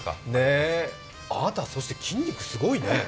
あなた、そして筋肉すごいね。